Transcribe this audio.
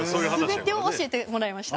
全てを教えてもらいました。